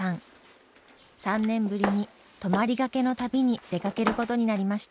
３年ぶりに泊まりがけの旅に出かけることになりました。